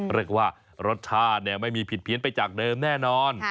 เรียกว่ารสชาติไม่มีผิดเพี้ยนไปจากเดิมแน่นอน